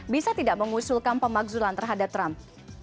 bisa tidak mengusulkan pemakzulan terhadap trump